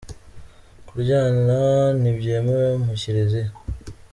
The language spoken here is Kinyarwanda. Kuryana ntibyemewe mu Kiliziya